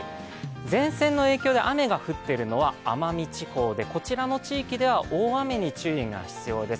前線の影響で雨が降っているのは奄美地方でこちらの地域では大雨に注意が必要です。